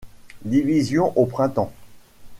Division au printemps.